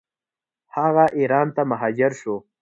هغه ایران ته مهاجر شو.